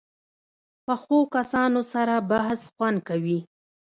پخو کسانو سره بحث خوند کوي